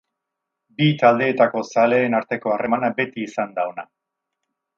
Bi taldeetako zaleen arteko harremana beti izan da ona.